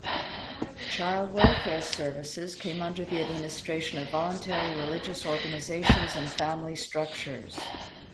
Child welfare services came under the administration of voluntary religious organizations and family structures.